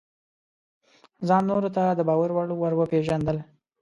ځان نورو ته د باور وړ ورپېژندل: